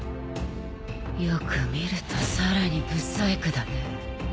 よく見るとさらに不細工だね。